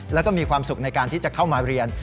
แล้วก็มีความสุขในการที่จะเข้ามาเรียน